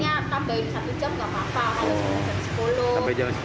keinginannya tambahin satu jam gak apa apa